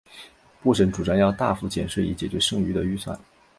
布什主张要大幅减税以解决剩余的预算。